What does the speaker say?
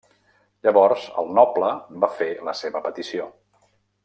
Llavors el noble va fer la seva petició.